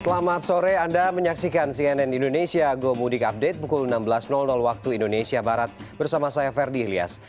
selamat sore anda menyaksikan cnn indonesia go mudik update pukul enam belas waktu indonesia barat bersama saya ferdi ilyas